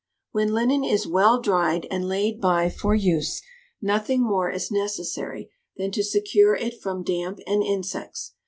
When linen is well dried and laid by for use, nothing more is necessary than to secure it from damp and insects.